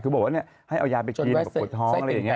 คือบอกว่าเนี่ยให้เอายาไปกินปวดท้องอะไรอย่างเงี้ย